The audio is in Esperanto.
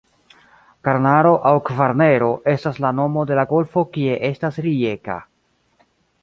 Karnaro aŭ Kvarnero estas la nomo de la golfo kie estas Rijeka.